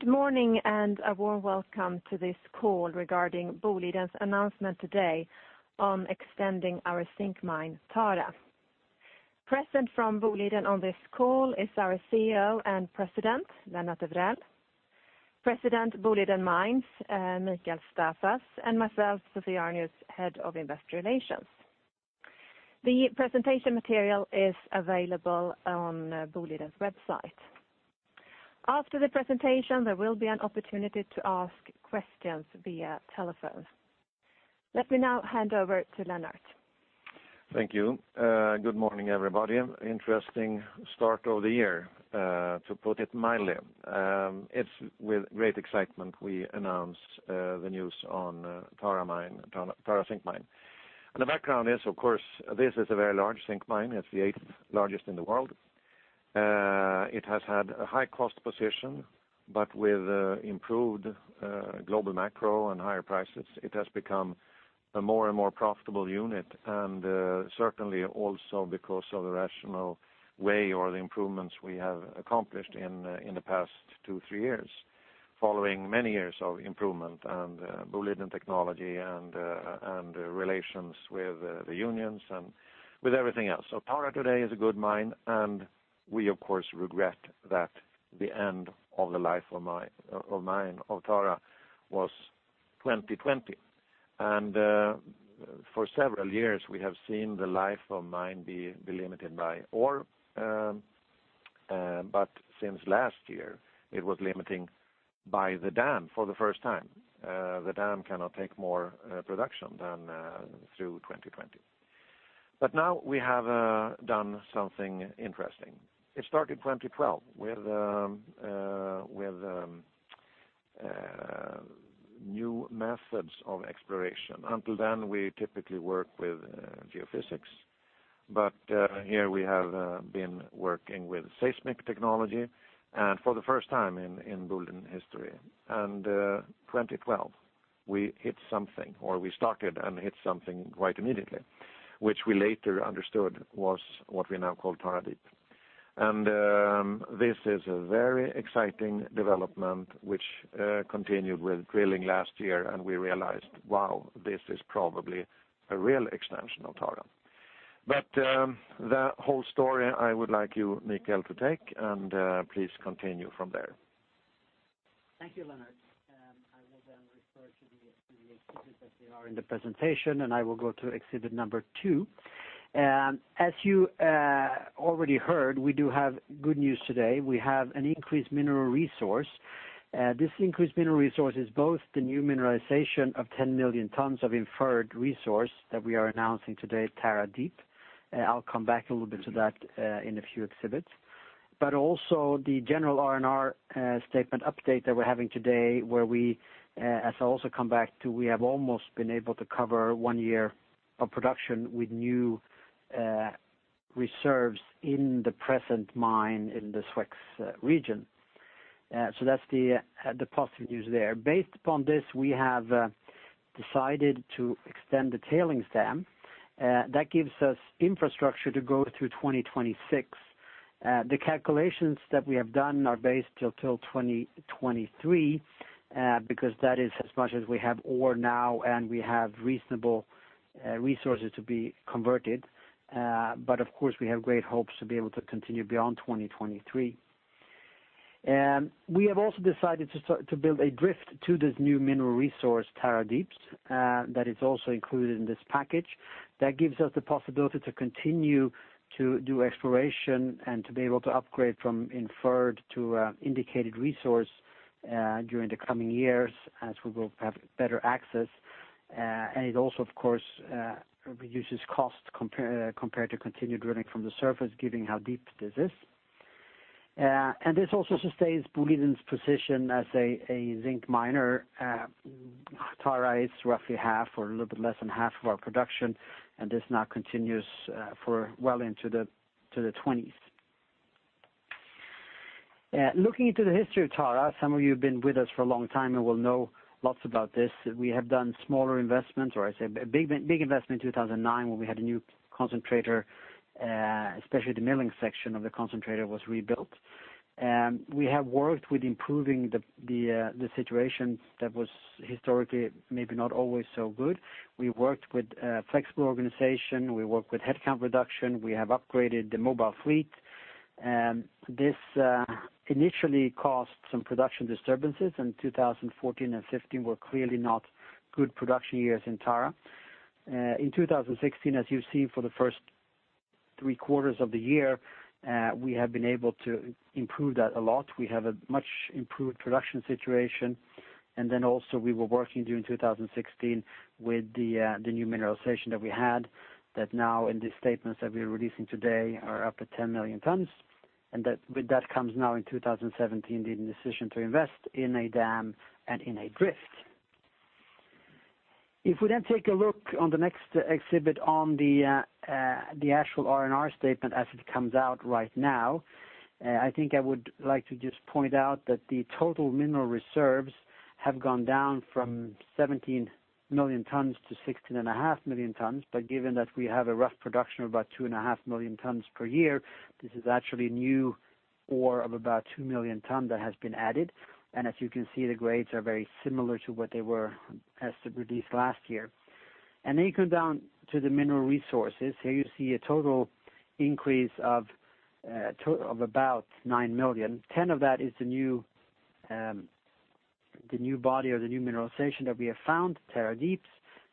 Good morning and a warm welcome to this call regarding Boliden's announcement today on extending our zinc mine, Tara. Present from Boliden on this call is our CEO and President, Lennart Evrell, President Boliden Mines, Mikael Staffas, and myself, Sofia Arnius, Head of Investor Relations. The presentation material is available on boliden.com. After the presentation, there will be an opportunity to ask questions via telephone. Let me now hand over to Lennart. Thank you. Good morning, everybody. Interesting start of the year, to put it mildly. It's with great excitement we announce the news on Tara zinc mine. The background is, of course, this is a very large zinc mine. It's the 8th largest in the world. It has had a high cost position, but with improved global macro and higher prices, it has become a more and more profitable unit. Certainly also because of the rational way or the improvements we have accomplished in the past two, three years, following many years of improvement and Boliden technology and relations with the unions and with everything else. Tara today is a good mine, and we, of course, regret that the end of the life of Tara was 2020. For several years, we have seen the life of mine be limited by ore. Since last year, it was limited by the dam for the first time. The dam cannot take more production than through 2020. Now we have done something interesting. It started 2012 with new methods of exploration. Until then, we typically work with geophysics, but here we have been working with seismic technology and for the first time in Boliden history. 2012, we hit something, or we started and hit something quite immediately, which we later understood was what we now call Tara Deep. This is a very exciting development which continued with drilling last year, and we realized, wow, this is probably a real extension of Tara. That whole story I would like you, Mikael, to take, and please continue from there. Thank you, Lennart. I will refer to the exhibits as they are in the presentation, and I will go to exhibit number two. As you already heard, we do have good news today. We have an increased Mineral Resource. This increased Mineral Resource is both the new mineralization of 10 million tons of Inferred Resource that we are announcing today at Tara Deep. I'll come back a little bit to that in a few exhibits. Also the general R&R statement update that we're having today, where we, as I'll also come back to, we have almost been able to cover one year of production with new reserves in the present mine in the SWEX region. That's the positive news there. Based upon this, we have decided to extend the tailings dam. That gives us infrastructure to go through 2026. The calculations that we have done are based until 2023, because that is as much as we have ore now, and we have reasonable resources to be converted. Of course, we have great hopes to be able to continue beyond 2023. We have also decided to build a drift to this new Mineral Resource, Tara Deep, that is also included in this package. That gives us the possibility to continue to do exploration and to be able to upgrade from Inferred Resource to Indicated Resource during the coming years as we will have better access. It also, of course, reduces cost compared to continued drilling from the surface, given how deep this is. This also sustains Boliden's position as a zinc miner. Tara is roughly half or a little bit less than half of our production, and this now continues for well into the 20s. Looking into the history of Tara, some of you have been with us for a long time and will know lots about this. We have done smaller investments, or I say a big investment in 2009 when we had a new concentrator, especially the milling section of the concentrator was rebuilt. We have worked with improving the situation that was historically maybe not always so good. We worked with flexible organization. We worked with headcount reduction. We have upgraded the mobile fleet. This initially caused some production disturbances, and 2014 and 2015 were clearly not good production years in Tara. In 2016, as you've seen for the first three quarters of the year, we have been able to improve that a lot. We have a much improved production situation. Also we were working during 2016 with the new mineralization that we had that now in the statements that we're releasing today are up to 10 million tons. With that comes now in 2017, the decision to invest in a dam and in a drift. If we take a look on the next exhibit on the actual R&R statement as it comes out right now, I think I would like to just point out that the total Mineral Reserves have gone down from 17 million tons to 16.5 million tons. Given that we have a rough production of about 2.5 million tons per year, this is actually new ore of about 2 million tons that has been added. As you can see, the grades are very similar to what they were as of released last year. You go down to the Mineral Resources. Here you see a total increase of about 9 million. 10 of that is the new body or the new mineralization that we have found, Tara Deep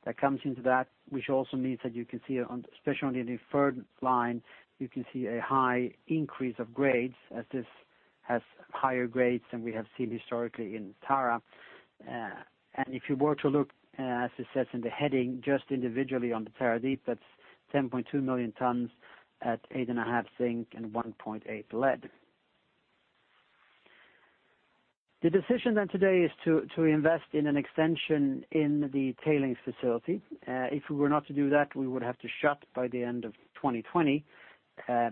that comes into that, which also means that you can see, especially on the Inferred line, you can see a high increase of grades as this has higher grades than we have seen historically in Tara. If you were to look, as it says in the heading, just individually on the Tara Deep, that's 10.2 million tons at 8.5% zinc and 1.8% lead. The decision today is to invest in an extension in the tailings facility. If we were not to do that, we would have to shut by the end of 2020. As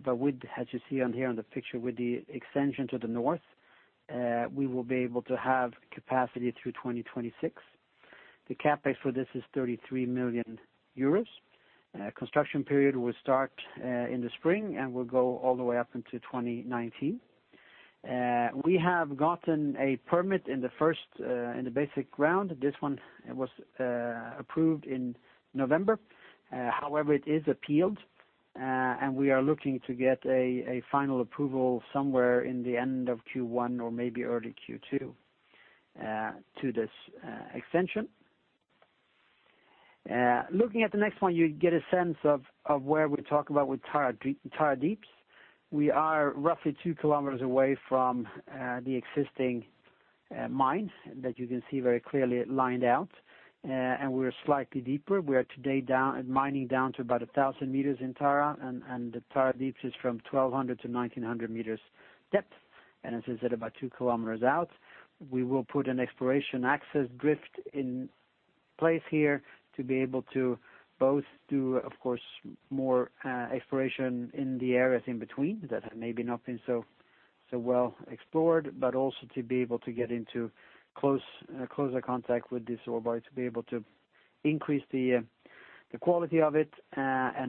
you see on here on the picture with the extension to the north, we will be able to have capacity through 2026. The CapEx for this is 33 million euros. Construction period will start in the spring and will go all the way up into 2019. We have gotten a permit in the basic ground. This one was approved in November. However, it is appealed, and we are looking to get a final approval somewhere in the end of Q1 or maybe early Q2 to this extension. Looking at the next one, you get a sense of where we're talking about with Tara Deep. We are roughly two kilometers away from the existing mine that you can see very clearly lined out. We're slightly deeper. We are today mining down to about 1,000 meters in Tara, and the Tara Deep is from 1,200 to 1,900 meters depth. As I said, about two kilometers out. We will put an exploration access drift in place here to be able to both do, of course, more exploration in the areas in between that have maybe not been so well explored, but also to be able to get into closer contact with this ore body to be able to increase the quality of it.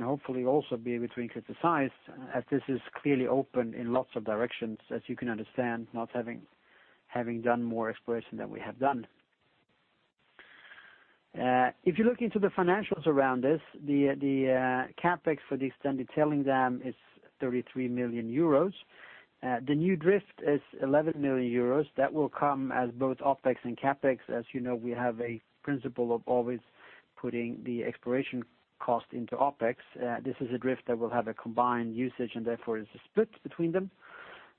Hopefully also be able to increase the size as this is clearly open in lots of directions, as you can understand, not having done more exploration than we have done. If you look into the financials around this, the CapEx for the extended tailings dam is 33 million euros. The new drift is 11 million euros. That will come as both OpEx and CapEx. As you know, we have a principle of always putting the exploration cost into OpEx. This is a drift that will have a combined usage and therefore is a split between them.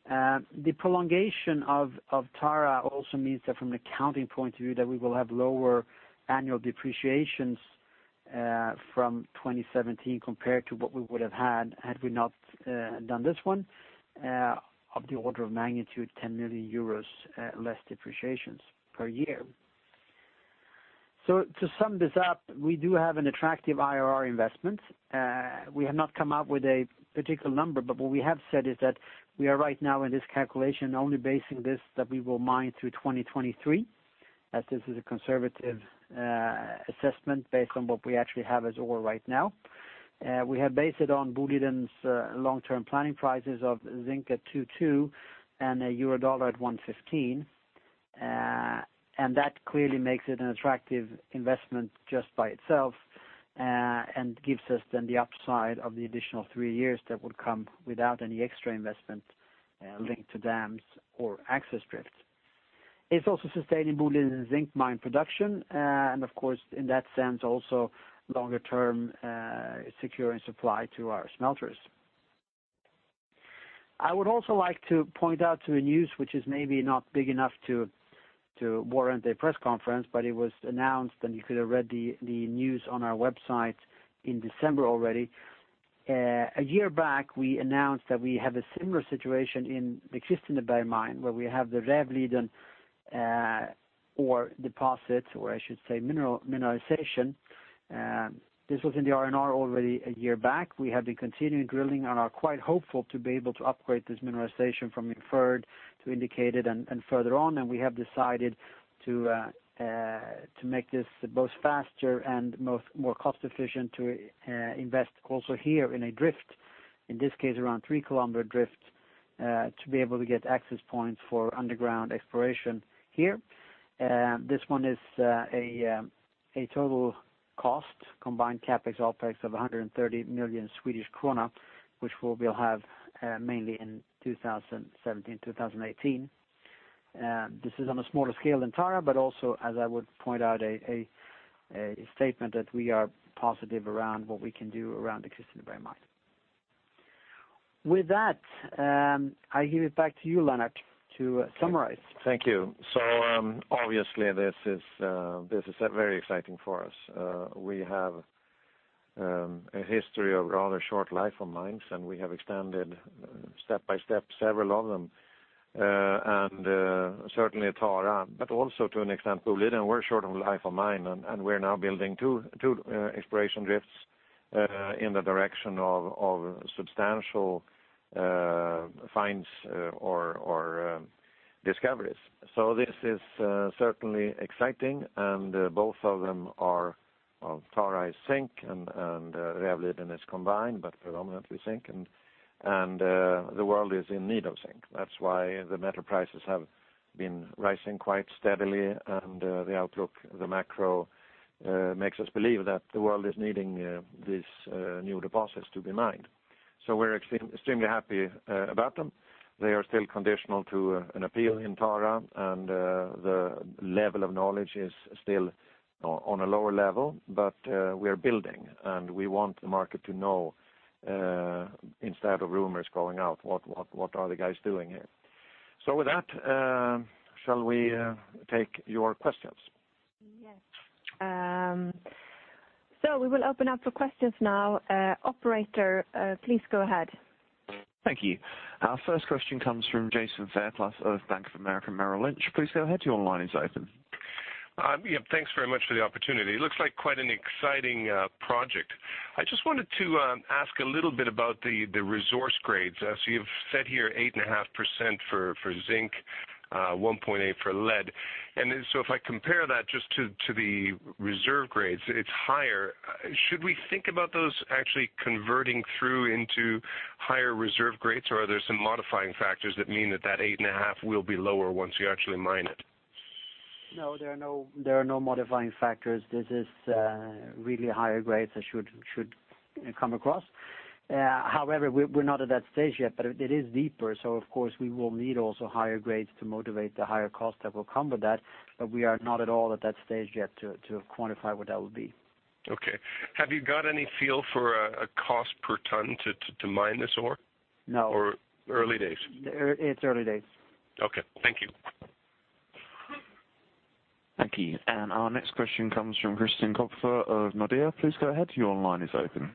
The prolongation of Tara also means that from an accounting point of view, that we will have lower annual depreciations from 2017 compared to what we would have had we not done this one, of the order of magnitude 10 million euros less depreciations per year. To sum this up, we do have an attractive IRR investment. We have not come up with a particular number, but what we have said is that we are right now in this calculation, only basing this that we will mine through 2023 as this is a conservative assessment based on what we actually have as ore right now. We have based it on Boliden's long-term planning prices of zinc at 22 and a euro dollar at 115. That clearly makes it an attractive investment just by itself, and gives us then the upside of the additional three years that would come without any extra investment linked to dams or access drifts. It's also sustaining Boliden zinc mine production. Of course, in that sense, also longer-term securing supply to our smelters. I would also like to point out to a news which is maybe not big enough to warrant a press conference, but it was announced, and you could have read the news on our website in December already. A year back, we announced that we have a similar situation in the existing Bergmine, where we have the Rävliden ore deposit, or I should say mineralization. This was in the R&R already a year back. We have been continuing drilling and are quite hopeful to be able to upgrade this Mineralization from Inferred to Indicated and further on. We have decided to make this both faster and more cost efficient to invest also here in a drift, in this case around 3-kilometer drift, to be able to get access points for underground exploration here. This one is a total cost combined CapEx, OpEx of 130 million Swedish krona, which we'll have mainly in 2017, 2018. This is on a smaller scale than Tara, but also, as I would point out, a statement that we are positive around what we can do around the existing Bergmine. With that, I give it back to you, Lennart, to summarize. Thank you. Obviously this is very exciting for us. We have a history of rather short life on mines, and we have extended step by step several of them. Certainly Tara, but also to an extent Boliden. We're short on life on mine, and we're now building 2 exploration drifts in the direction of substantial finds or discoveries. This is certainly exciting, and both of them are of Tara is zinc, and Rävliden is combined, but predominantly zinc, and the world is in need of zinc. That's why the metal prices have been rising quite steadily, and the outlook, the macro, makes us believe that the world is needing these new deposits to be mined. We're extremely happy about them. They are still conditional to an appeal in Tara, and the level of knowledge is still on a lower level, but we are building, and we want the market to know, instead of rumors going out, what are the guys doing here. With that, shall we take your questions? Yes. We will open up for questions now. Operator, please go ahead. Thank you. Our first question comes from Jason Fairclough of Bank of America Merrill Lynch. Please go ahead. Your line is open. Yeah. Thanks very much for the opportunity. It looks like quite an exciting project. I just wanted to ask a little bit about the Resource grades. You've said here 8.5% for zinc, 1.8% for lead. If I compare that just to the Reserve grades, it's higher. Should we think about those actually converting through into higher Reserve grades, or are there some modifying factors that mean that that 8.5% will be lower once you actually mine it? There are no modifying factors. This is really higher grades that should come across. We're not at that stage yet, but it is deeper, so of course, we will need also higher grades to motivate the higher cost that will come with that. We are not at all at that stage yet to quantify what that will be. Okay. Have you got any feel for a cost per ton to mine this ore? No. Early days? It's early days. Okay. Thank you. Thank you. Our next question comes from Christian Kopfer of Nordea. Please go ahead. Your line is open.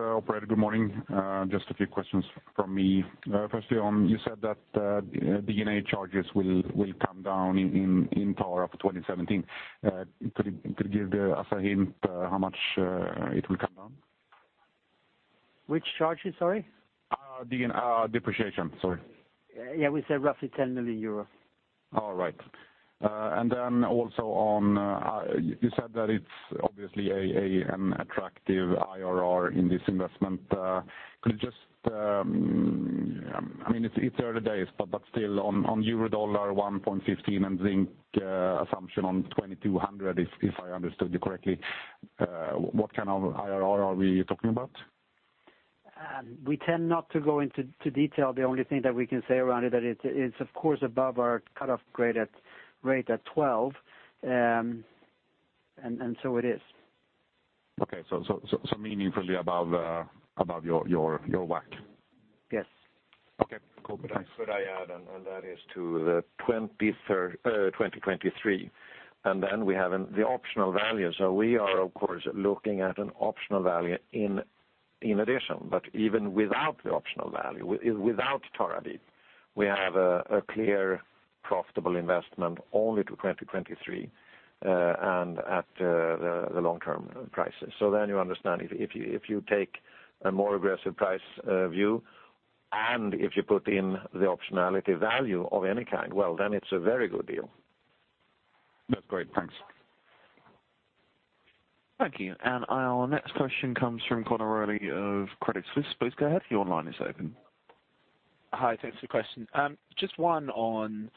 operator, good morning. Just a few questions from me. Firstly, you said that the D&A charges will come down in Tara after 2017. Could you give us a hint how much it will come down? Which charges, sorry? Depreciation. Sorry. We said roughly 10 million euros. All right. Also you said that it's obviously an attractive IRR in this investment. I mean, it's early days, but still on Euro dollar 1.15 and zinc assumption on 2,200, if I understood you correctly, what kind of IRR are we talking about? We tend not to go into detail. The only thing that we can say around it, that it's of course above our cutoff grade at 12. It is. Okay. Meaningfully above your WACC? Yes. Okay. Cool. Thanks. Could I add, that is to the 2023, then we have the optional value. We are of course looking at an optional value in addition, but even without the optional value, without Tara Deep, we have a clear profitable investment only to 2023, at the long-term prices. You understand, if you take a more aggressive price view, if you put in the optionality value of any kind, well, then it is a very good deal. That's great. Thanks. Thank you. Our next question comes from Conor Rowley of Credit Suisse. Please go ahead. Your line is open. Hi. Thanks for the question. Just one on,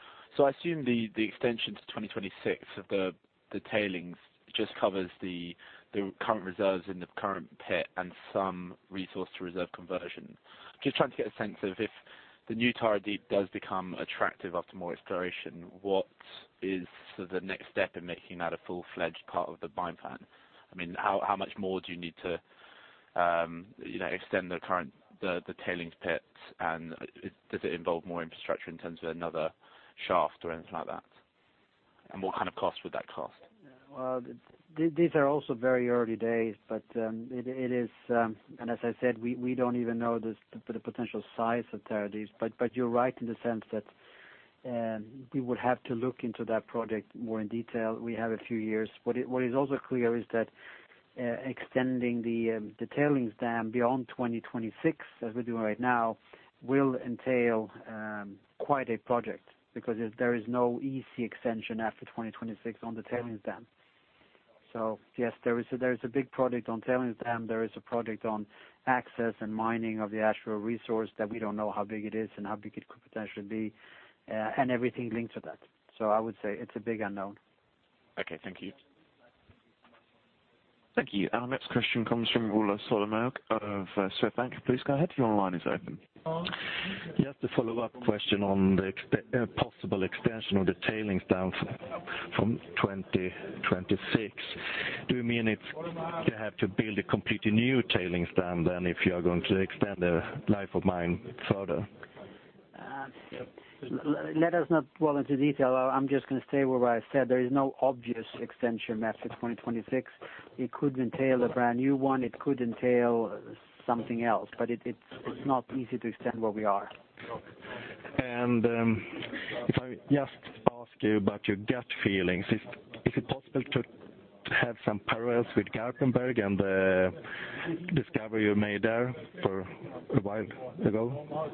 I assume the extension to 2026 of the tailings just covers the current reserves in the current pit and some resource-to-reserve conversion. Just trying to get a sense of, if the new Tara Deep does become attractive after more exploration, what is sort of the next step in making that a full-fledged part of the mine plan? I mean, how much more do you need to extend the tailings pits, does it involve more infrastructure in terms of another shaft or anything like that? What kind of cost would that cost? These are also very early days, and as I said, we don't even know the potential size of Tara Deep. You're right in the sense that we would have to look into that project more in detail. We have a few years. What is also clear is that extending the tailings dam beyond 2026, as we're doing right now, will entail quite a project, because there is no easy extension after 2026 on the tailings dam. Yes, there is a big project on tailings dam. There is a project on access and mining of the actual resource that we don't know how big it is and how big it could potentially be, and everything linked to that. I would say it's a big unknown. Okay. Thank you. Thank you. Our next question comes from Ole Solum of Swedbank. Please go ahead. Your line is open. Just a follow-up question on the possible extension of the tailings dam from 2026. Do you mean you have to build a completely new tailings dam then if you are going to extend the life of mine further? Let us not dwell into detail. I'm just going to stay where I said. There is no obvious extension after 2026. It could entail a brand new one. It could entail something else, but it's not easy to extend where we are. If I just ask you about your gut feelings, is it possible to have some parallels with Garpenberg and the discovery you made there for a while ago?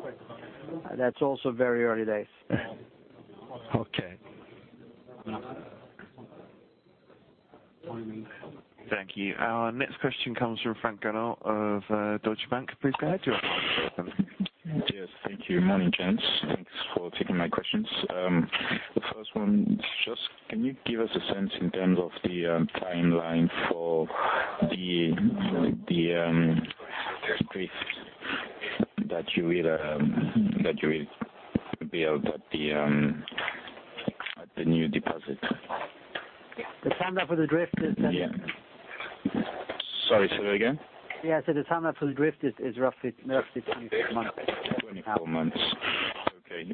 That's also very early days. Okay. Thank you. Our next question comes from Frank Gallo of Deutsche Bank. Please go ahead, your line is open. Yes, thank you. Morning, gents. Thanks for taking my questions. The first one, just can you give us a sense in terms of the timeline for the drift that you will build at the new deposit? The timeline for the drift is Yeah. Sorry, say that again? Yeah, I said the timeline for the drift is roughly 24 months. 24 months. Okay.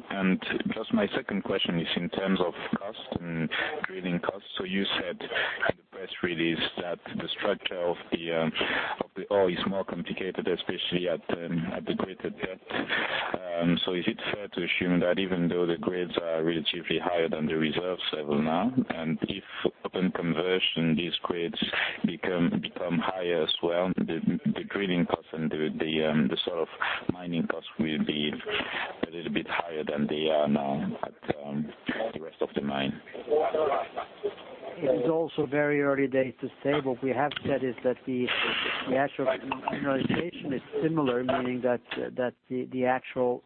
Just my second question is in terms of cost and drilling cost. You said in the press release that the structure of the ore is more complicated, especially at the greater depth. Is it fair to assume that even though the grades are relatively higher than the reserve level now, and if open conversion, these grades become higher as well, the drilling cost and the sort of mining cost will be a little bit higher than they are now at the rest of the mine? It is also very early days to say. What we have said is that the actual mineralization is similar, meaning that the actual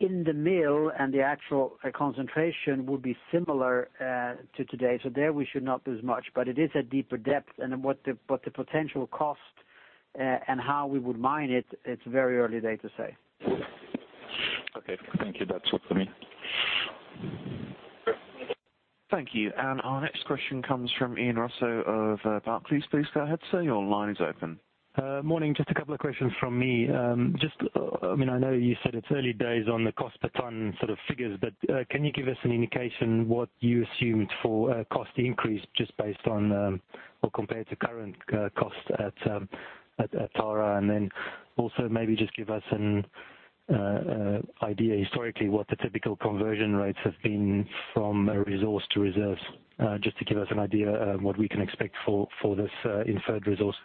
in the mill and the actual concentration will be similar to today. There we should not do as much. It is a deeper depth and what the potential cost and how we would mine it's very early day to say. Okay. Thank you. That's all for me. Thank you. Our next question comes from Ian Rossouw of Barclays. Please go ahead, sir. Your line is open. Morning. Just a couple of questions from me. I know you said it's early days on the cost per ton sort of figures. Can you give us an indication what you assumed for cost increase just based on or compared to current cost at Tara? Also maybe just give us an idea historically what the typical conversion rates have been from a resource to reserves just to give us an idea of what we can expect for this Inferred Resource.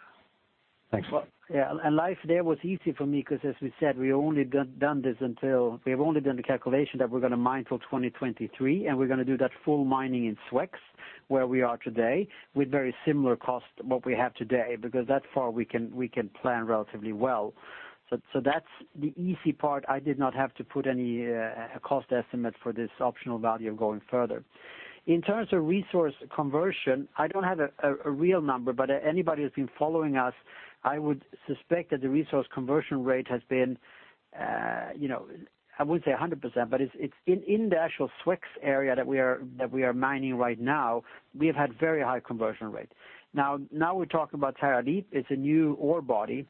Thanks. Well, yeah, life there was easy for me because as we said, we've only done the calculation that we're going to mine till 2023, and we're going to do that full mining in SWEX where we are today with very similar cost what we have today, because that far we can plan relatively well. That's the easy part. I did not have to put any cost estimate for this optional value of going further. In terms of resource conversion, I don't have a real number, but anybody who's been following us, I would suspect that the resource conversion rate has been, I wouldn't say 100%, but it's in the actual SWEX area that we are mining right now, we have had very high conversion rate. Now we're talking about Tara Deep. It's a new ore body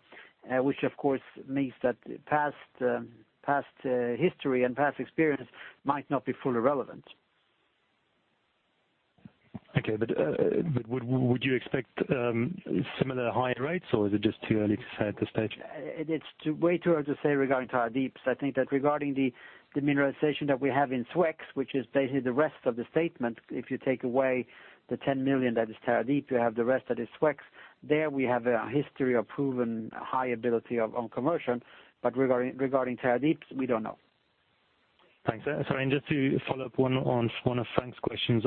which of course means that past history and past experience might not be fully relevant. Okay, would you expect similar high rates or is it just too early to say at this stage? It's way too early to say regarding Tara Deep. I think that regarding the mineralization that we have in SWEX, which is basically the rest of the statement, if you take away the 10 million that is Tara Deep, you have the rest that is SWEX. There we have a history of proven high ability on conversion, but regarding Tara Deep, we don't know. Thanks. Sorry, just to follow up on one of Frank's questions.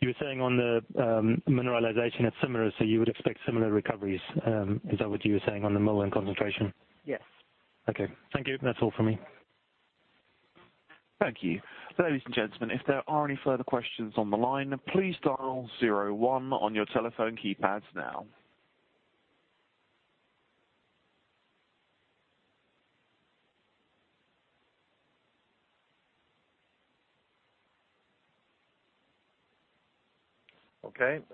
You were saying on the mineralization it's similar, so you would expect similar recoveries. Is that what you were saying on the mill and concentration? Yes. Okay. Thank you. That's all for me. Thank you. Ladies and gentlemen, if there are any further questions on the line, please dial zero-one on your telephone keypads now. Okay.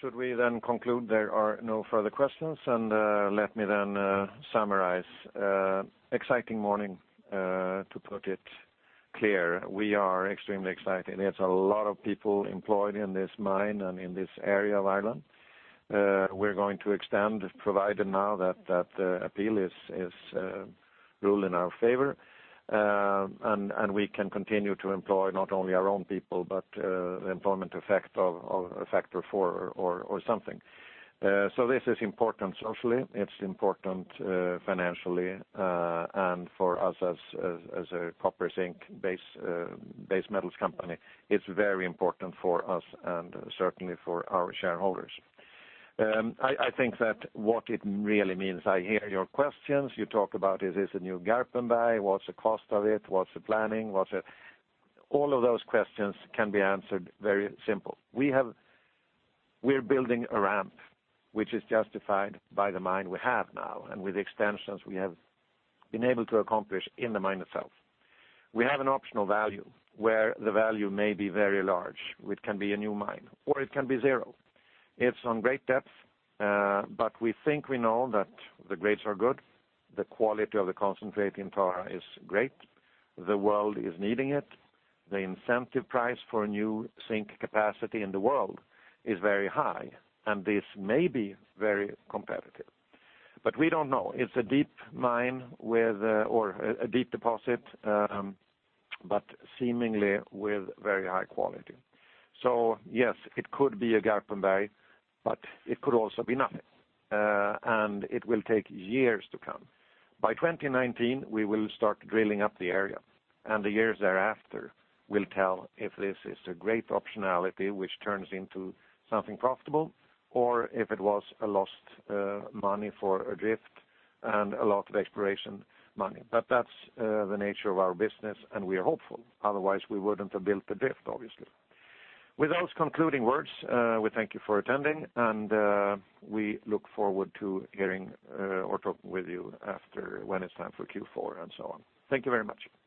Should we then conclude there are no further questions? Let me then summarize. Exciting morning to put it clear. We are extremely excited. It's a lot of people employed in this mine and in this area of Ireland. We're going to extend, provided now that appeal is ruled in our favor. We can continue to employ not only our own people but the employment effect of a factor four or something. This is important socially, it's important financially, and for us as a copper zinc base metals company, it's very important for us and certainly for our shareholders. I think that what it really means, I hear your questions. You talk about is this a new Garpenberg? What's the cost of it? What's the planning? All of those questions can be answered very simple. We're building a ramp which is justified by the mine we have now and with the extensions we have been able to accomplish in the mine itself. We have an optional value where the value may be very large, which can be a new mine or it can be zero. It's on great depth, we think we know that the grades are good, the quality of the concentrate in Tara is great. The world is needing it. The incentive price for a new zinc capacity in the world is very high, this may be very competitive. We don't know. It's a deep mine or a deep deposit, seemingly with very high quality. Yes, it could be a Garpenberg, it could also be nothing. It will take years to come. By 2019, we will start drilling up the area, the years thereafter will tell if this is a great optionality which turns into something profitable or if it was a lost money for a drift and a lot of exploration money. That's the nature of our business and we are hopeful, otherwise we wouldn't have built the drift, obviously. With those concluding words, we thank you for attending and we look forward to hearing or talking with you after when it's time for Q4 and so on. Thank you very much.